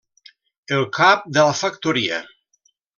El cap de la factoria.